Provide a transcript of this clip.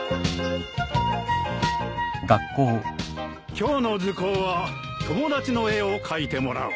今日の図工は友達の絵を描いてもらう。